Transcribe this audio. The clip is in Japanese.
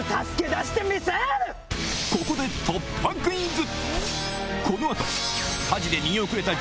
ここで突破クイズ！